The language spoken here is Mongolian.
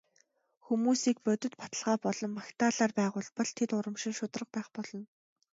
Хүмүүсийг бодит баталгаа болон магтаалаар байгуулбал тэд урамшин шударга байх болно.